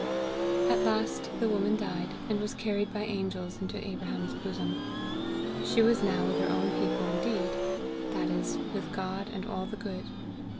"At last the woman died, and was carried by angels into Abraham's bosom. She was now with her own people indeed, that is, with God and all the good.